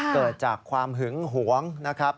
เกิดจากความหึงหวงนะครับ